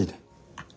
あっ。